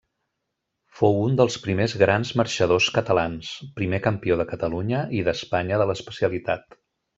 Fou un dels primers grans marxadors catalans, primer campió de Catalunya i d'Espanya de l'especialitat.